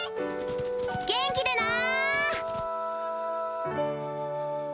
元気でな！